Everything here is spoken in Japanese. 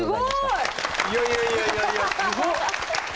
すごい！いやいやいやいやいやすごっ！